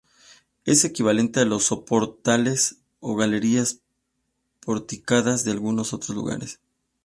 Es equivalente a los soportales o galerías porticadas de algunos otros lugares.